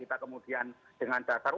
kita kemudian dengan dasar